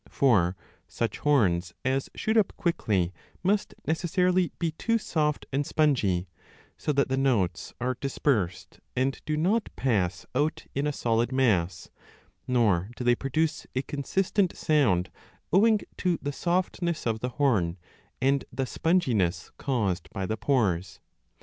For such horns as shoot up quickly must necessarily be too soft and spongy, so that the notes are dispersed and do not pass out in a solid mass, nor do they produce a consistent sound owing to the softness of the horn and the sponginess 25 caused by the pores.